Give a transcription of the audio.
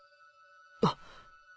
あっ！